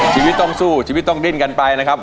ชีวิตต้องสู้ชีวิตต้องดิ้นกันไปนะครับ